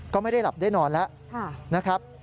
ก็ไม่ได้หลับได้นอนแล้วนะครับ